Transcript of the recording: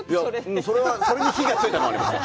それに火がついたのはありますね。